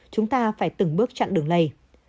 chúng ta phải từng bước chặn đường lầy